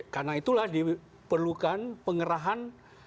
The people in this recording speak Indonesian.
karena itulah diperlukan pengerahan